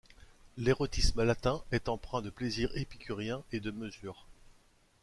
L'érotisme latin est empreint de plaisir épicurien et de mesure.